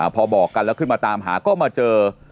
พอบอกกันแล้วขึ้นมาตามหาก็มาเจอ